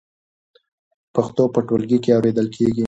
پښتو په ټولګي کې اورېدل کېږي.